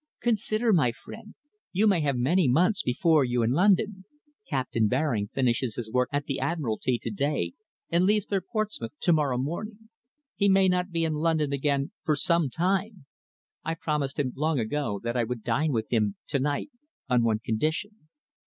Consider, my friend. You may have many months before you in London. Captain Baring finishes his work at the Admiralty to day, and leaves for Portsmouth to morrow morning. He may not be in London again for some time. I promised him long ago that I would dine with him to night on one condition.